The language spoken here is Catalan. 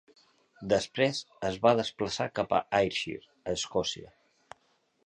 Després, es va desplaçar cap a Ayrshire, a Escòcia.